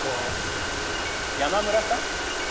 山村さん？